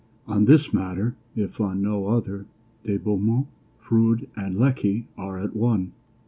On this matter, if on no other, De Beaumont, Froude, and Lecky are at one.